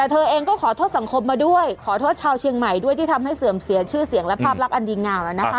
แต่เธอเองก็ขอโทษสังคมมาด้วยขอโทษชาวเชียงใหม่ด้วยที่ทำให้เสื่อมเสียชื่อเสียงและภาพลักษณ์อันดีงามแล้วนะคะ